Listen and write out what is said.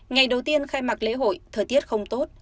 ngày đầu tiên khai mạc lễ hội thời tiết không tốt